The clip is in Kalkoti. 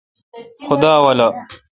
خدا اولو۔